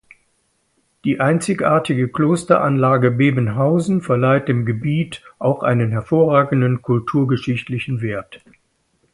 Die einzigartige Klosteranlage Bebenhausen verleiht dem Gebiet auch einen hervorragenden kulturgeschichtlichen Wert.